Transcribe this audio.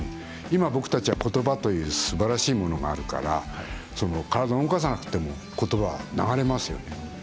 今、僕たちはことばというすばらしいものがあるから体を動かさなくてもことば、流れますよね。